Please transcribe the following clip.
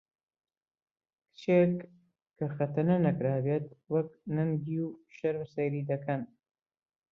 کچێک کە خەتەنە نەکرابێت وەک نەنگی و شەرم سەیری دەکەن